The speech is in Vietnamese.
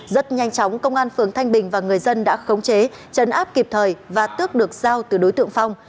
rất nhanh chóng công an phường thanh bình và người dân đã khống chế chấn áp kịp thời và tước được giao từ đối tượng phong